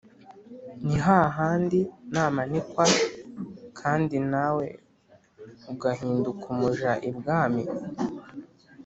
nihahandi namanikwa kandi nawe ugahinduka umuja ibwami"